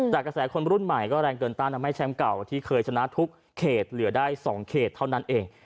กระแสคนรุ่นใหม่ก็แรงเกินต้านทำให้แชมป์เก่าที่เคยชนะทุกเขตเหลือได้๒เขตเท่านั้นเอง